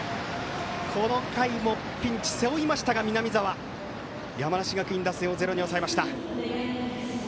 この回もピンチを背負いましたが南澤、山梨学院打線をゼロに抑えました。